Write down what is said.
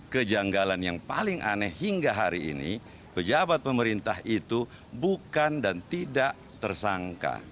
kejanggalan yang paling aneh hingga hari ini pejabat pemerintah itu bukan dan tidak tersangka